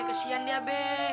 kesian dia be